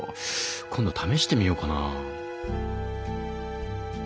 今度試してみようかな。